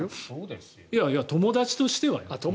友達としてはよ。